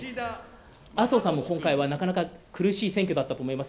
麻生さんも、今回はなかなか苦しい選挙だったと思います。